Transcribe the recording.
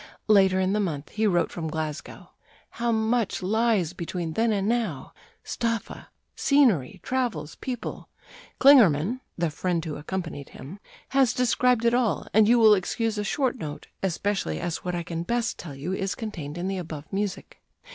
Later in the month he wrote from Glasgow: "How much lies between then and now! ... Staffa scenery, travels, people: Klingerman [the friend who accompanied him] has described it all, and you will excuse a short note, especially as what I can best tell you is contained in the above music."